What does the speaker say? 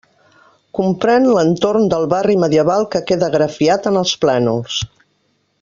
Comprén l'entorn del barri medieval que queda grafiat en els plànols.